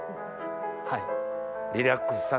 はい。